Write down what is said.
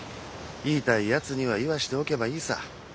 言いたいやつには言わしておけばいいさ。